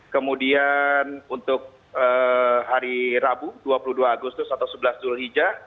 kemudian untuk hari rabu dua puluh dua agustus atau sebelas julhijjah